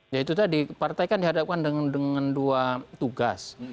ya itu tadi partai kan dihadapkan dengan dua tugas